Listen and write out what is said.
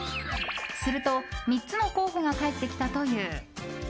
すると３つの候補が返ってきたという。